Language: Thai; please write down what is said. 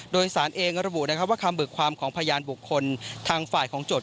โดยสารเองระบุนะครับว่าคำเบิกความของพยานบุคคลทางฝ่ายของโจท